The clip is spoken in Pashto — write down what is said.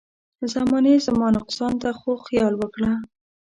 زمانې زما نقصان ته خو خيال وکړه.